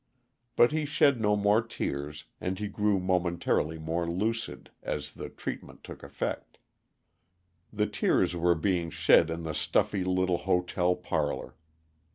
But he shed no more tears, and he grew momentarily more lucid, as the treatment took effect. The tears were being shed in the stuffy little hotel parlor.